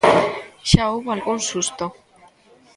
Xa houbo algún susto.